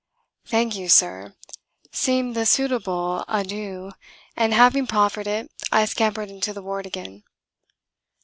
"Thank you, Sir," seemed the suitable adieu, and having proffered it I scampered into the ward again.